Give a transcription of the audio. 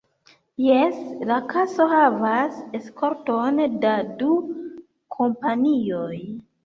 Jes: la kaso havas eskorton da du kompanioj.